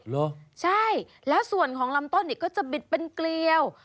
เหรอใช่แล้วส่วนของลำต้นนี่ก็จะบิดเป็นเกลียว